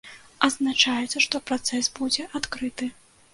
Адзначаецца, што працэс будзе адкрыты.